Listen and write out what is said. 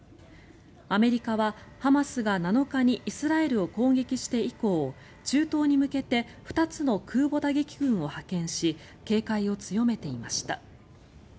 アメリカはハマスが７日にイスラエルを攻撃して以降中東に向けて２つの空母打撃群を派遣し警戒を強めていました。